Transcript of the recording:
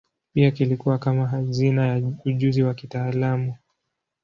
Pia kilikuwa kama hazina ya ujuzi wa kitaalamu.